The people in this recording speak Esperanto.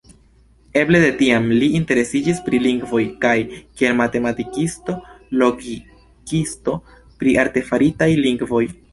Eble de tiam li interesiĝis pri lingvoj kaj, kiel matematikisto-logikisto, pri artefaritaj lingvoj.